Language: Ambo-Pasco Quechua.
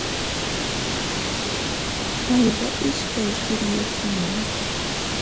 Payqa ishkay churiyuq runam.